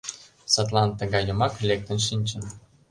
Садлан тыгай йомак лектын шинчын...